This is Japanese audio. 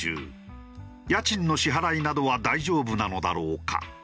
家賃の支払いなどは大丈夫なのだろうか？